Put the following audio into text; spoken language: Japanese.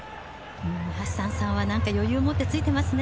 ハッサンさんは余裕を持ってついてますね。